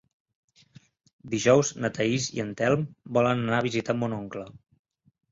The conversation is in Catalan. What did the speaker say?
Dijous na Thaís i en Telm volen anar a visitar mon oncle.